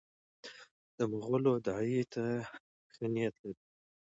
د مغولو داعیې ته ښه نیت لري.